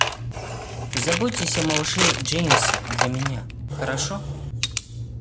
Заботьтесь о малыше Джеймсе для меня, хорошо?